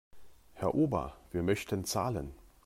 Herr Ober, wir möchten zahlen.